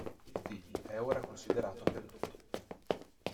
Il film è ora considerato perduto.